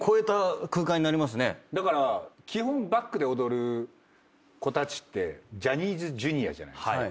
だから基本バックで踊る子たちってジャニーズＪｒ．じゃないですか。